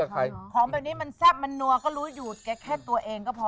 ของแบบนี้มันแซ่บมันนัวก็รู้อยู่แค่ตัวเองก็พอ